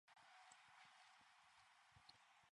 The locomotives thereafter ran without any headlights.